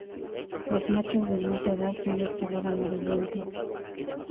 Los machos de más edad son de color amarillento.